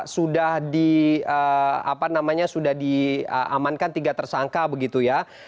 sudah di amankan tiga tersangka begitu ya